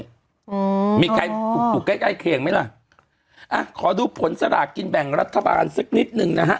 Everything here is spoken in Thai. อ่ามีใครมาถูกใกล้ไข่เขียงไหมล่ะอี้ขอดูผลสละกินแบ่งรัฐบาลสิ่งนี้หนึ่งน่ะฮะ